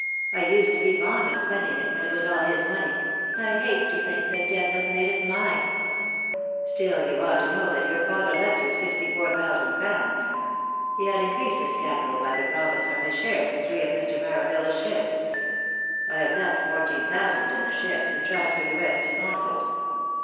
I used to be fond of spend ing it when it was all his money ; I hate to think that death has made it mine." " Still you ought to know that your father left you sixty four thousand pounds. He had increased his capital by the profits from his shares in three of Mr. Maravilla's ships. I have left fourteen thousand in the ships, and transferred the rest to Con sols.